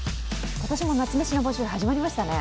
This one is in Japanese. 今年も夏メシの募集始まりましたね。